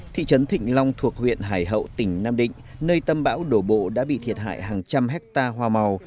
thị trấn thịnh long thuộc huyện hải hậu tỉnh nam định nơi tâm bão đổ bộ đã bị thiệt hại hàng trăm hectare hoa màu